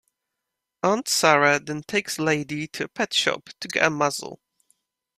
Aunt Sarah then takes Lady to a pet shop to get a muzzle.